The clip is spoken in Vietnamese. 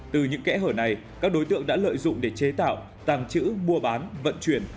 từ những kẽ hở này các đối tượng đã lợi dụng để chế tạo tàng trữ mua bán vận chuyển